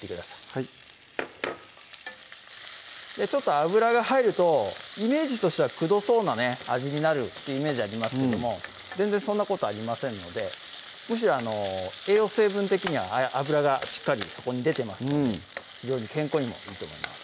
はい油が入るとイメージとしてはくどそうな味になるってイメージありますけども全然そんなことありませんのでむしろ栄養成分的には油がしっかりそこに出てますので非常に健康にもいいと思います